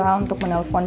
kita mulai dari